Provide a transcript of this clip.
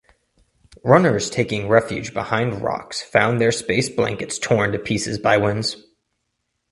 Runners taking refuge behind rocks found their space blankets torn to pieces by winds.